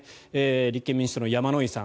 立憲民主党の山井さん